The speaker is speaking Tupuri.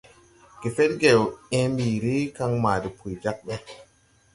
Gefedgew ęę mbiiri, kan maa depuy jāg ɓe.